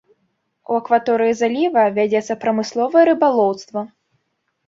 У акваторыі заліва вядзецца прамысловае рыбалоўства.